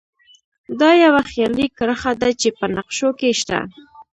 دا یوه خیالي کرښه ده چې په نقشو کې شته